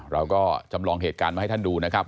เราก็จำลองเหตุการณ์มาให้ท่านดูนะครับ